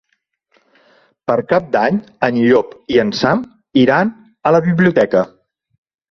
Per Cap d'Any en Llop i en Sam iran a la biblioteca.